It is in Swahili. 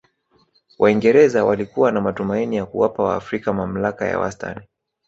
waingereza walikuwa na matumaini ya kuwapa waafrika mamlaka ya wastani